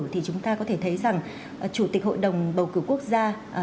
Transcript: thì chúng ta có thể thấy rằng chủ tịch hội đồng bầu cử quốc gia